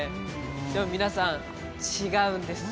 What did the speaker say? でも皆さん違うんです